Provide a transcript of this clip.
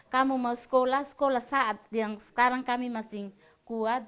kamu mau sekolah sekolah saat yang sekarang kami masih kuat